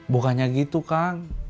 bukannya gitu kang